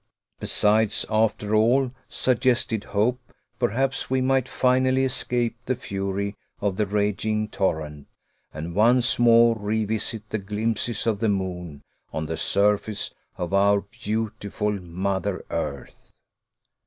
Besides, after all, suggested Hope, perhaps we might finally escape the fury of the raging torrent, and once more revisit the glimpses of the moon, on the surface of our beautiful Mother Earth.